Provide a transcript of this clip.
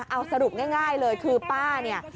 เอาสรุปง่ายเลยคือป้าเนี่ย